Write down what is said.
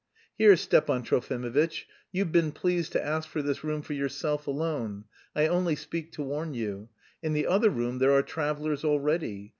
"Here, Stepan Trofimovitch, you've been pleased to ask for this room for yourself alone.... I only speak to warn you.... In the other room there are travellers already.